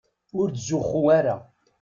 Ur ttzuxxu ara.